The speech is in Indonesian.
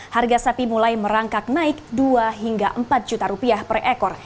harga sapi mulai merangkak naik rp dua empat juta per ekor